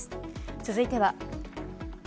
続いては。